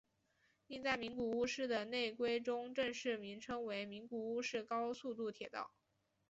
另在名古屋市的内规中正式名称为名古屋市高速度铁道。